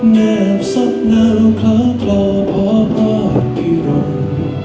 แนบสักหน้าขาพ่อพ่อพรดพี่ร่ง